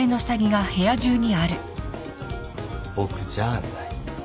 僕じゃあない。